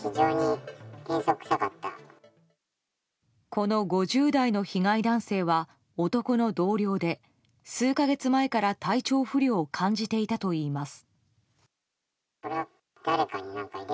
この５０代の被害男性は男の同僚で数か月前から体調不良を感じていたといいます。